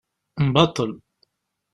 Mbaṭel.